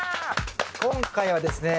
今回はですね